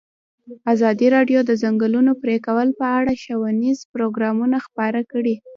ازادي راډیو د د ځنګلونو پرېکول په اړه ښوونیز پروګرامونه خپاره کړي.